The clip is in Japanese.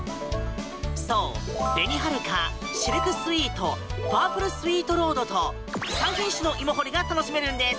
そう、紅はるかシルクスイートパープルスイートロードと３品種の芋掘りが楽しめるんです。